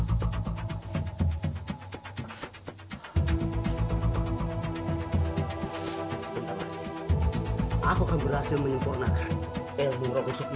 aku akan berhasil menyempurnakan ilmu rocky